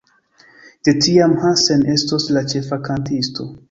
De tiam Hansen estos la ĉefa kantisto.